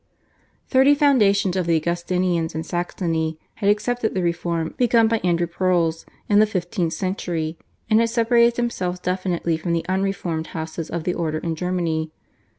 Thirty foundations of the Augustinians in Saxony had accepted the reform begun by Andrew Proles in the fifteenth century, and had separated themselves definitely from the unreformed houses of the order in Germany.